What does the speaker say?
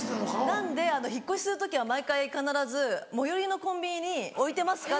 なんで引っ越しする時は毎回必ず最寄りのコンビニに置いてますか？